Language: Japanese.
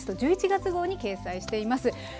１１月号に掲載しています。